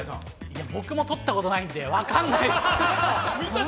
僕もとったことないんで分からないです。